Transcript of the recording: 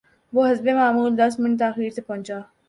وہ حسب معمول دس منٹ تا خیر سے پہنچا